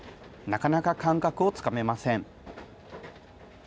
なかなか感覚をつかめません。